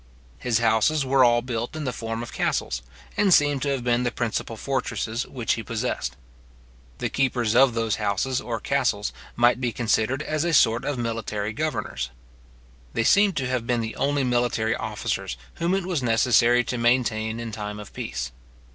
His houses were all built in the form of castles, and seem to have been the principal fortresses which he possessed. The keepers of those houses or castles might be considered as a sort of military governors. They seem to have been the only military officers whom it was necessary to maintain in time of peace.